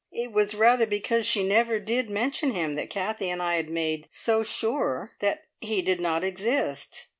It was rather because she never did mention him that Kathie and I had made so sure that he did not exist.